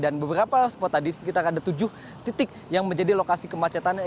dan beberapa spot tadi sekitar ada tujuh titik yang menjadi lokasi kemacetan